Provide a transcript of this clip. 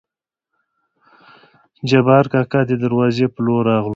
جبارکاکا دې دروازې په لور راغلو.